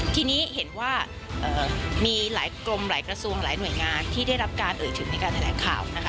ทีนี้เห็นว่ามีหลายกรมหลายกระทรวงหลายหน่วยงานที่ได้รับการเอ่ยถึงในการแถลงข่าวนะคะ